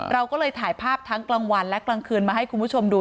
เราก็เลยถ่ายภาพทั้งกลางวันและกลางคืนมาให้คุณผู้ชมดู